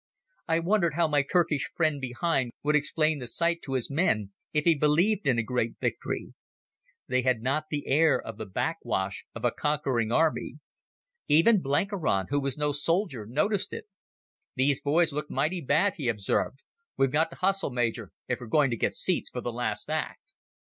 I wondered how my Turkish friend behind would explain the sight to his men, if he believed in a great victory. They had not the air of the backwash of a conquering army. Even Blenkiron, who was no soldier, noticed it. "These boys look mighty bad," he observed. "We've got to hustle, Major, if we're going to get seats for the last act."